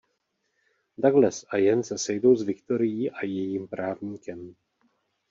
Douglas a Jen se sejdou s Viktorií a jejím právníkem.